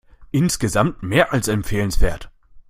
Insgesamt mehr als empfehlenswert.